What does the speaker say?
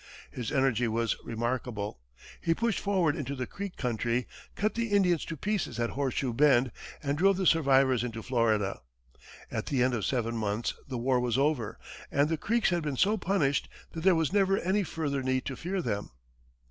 His energy was remarkable; he pushed forward into the Creek country, cut the Indians to pieces at Horseshoe Bend, and drove the survivors into Florida. At the end of seven months, the war was over, and the Creeks had been so punished that there was never any further need to fear them.